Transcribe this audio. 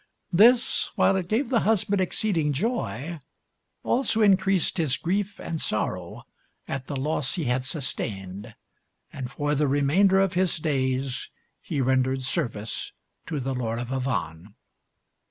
This, while it gave the husband exceeding joy, also increased his grief and sorrow at the loss he had sustained, and for the remainder of his days he rendered service to the Lord of Avannes.